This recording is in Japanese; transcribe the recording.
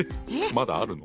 まだあるの？